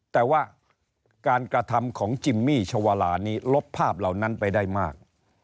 แต่ว่าการกระทำของจิมมี่ชวาลานี้ลบภาพเหล่านั้นไปได้มาก